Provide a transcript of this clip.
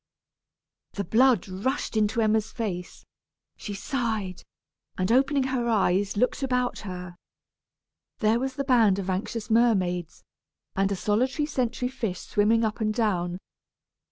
The blood rushed into Emma's face; she sighed, and opening her eyes, looked about her. There was the band of anxious mermaids, and a solitary sentry fish swimming up and down.